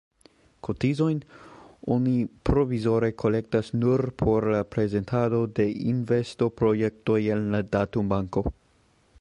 Kotizojn oni provizore kolektas nur por la prezentado de investoprojektoj en la datumbanko.